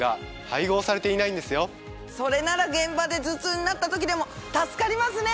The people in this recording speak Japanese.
それなら現場で頭痛になった時でも助かりますね。